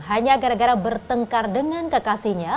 hanya gara gara bertengkar dengan kekasihnya